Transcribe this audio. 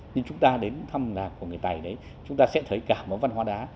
như chúng ta đến thăm làng của người tài đấy chúng ta sẽ thấy cả một văn hóa đá